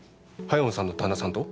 夏英さんの旦那さんと？